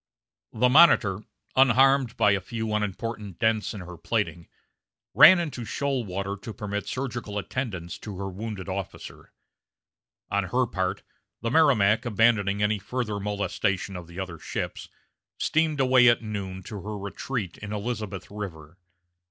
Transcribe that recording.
The Monitor, unharmed except by a few unimportant dents in her plating, ran into shoal water to permit surgical attendance to her wounded officer. On her part, the Merrimac, abandoning any further molestation of the other ships, steamed away at noon to her retreat in Elizabeth River.